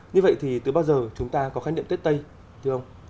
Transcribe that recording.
như vậy thì từ bao giờ chúng ta có khái niệm tết đây thưa ông